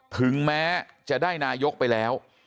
ถึงแม้จะได้นายกไปแล้ว